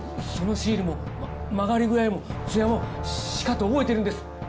そのシールも曲がり具合もツヤもしかと覚えているんです。